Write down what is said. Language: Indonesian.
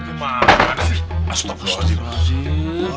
eh bagaimana sih astaghfirullahaladzim